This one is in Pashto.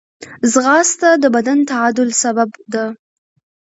ځغاسته د بدن د تعادل سبب ده